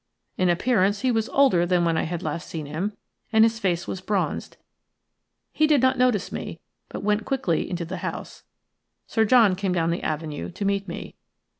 In appearance he was older than when I had last seen him, and his face was bronzed. He did not notice me, but went quickly into the house. Sir John came down the avenue to meet me.